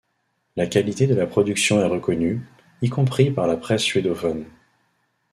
La qualité de la production est reconnue, y compris par la presse suédophone.